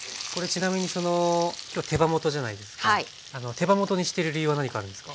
手羽元にしてる理由は何かあるんですか？